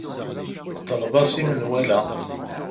Ḍleb-as i menwala.